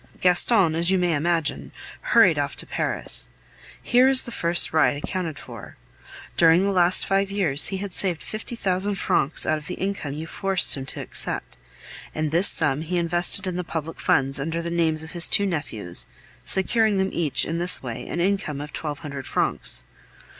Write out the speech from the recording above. Gaston, as you may imagine, hurried off to Paris. Here is the first ride accounted for. During the last five years he had saved fifty thousand francs out of the income you forced him to accept, and this sum he invested in the public funds under the names of his two nephews, securing them each, in this way, an income of twelve hundred francs.